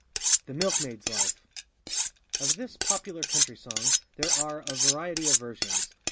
THE MILK MAID'S LIFE. [OF this popular country song there are a variety of versions.